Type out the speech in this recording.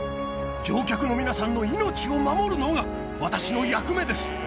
乗客の皆さんの命を守るのが、私の役目です。